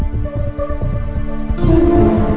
mengapa mereka tak menjawab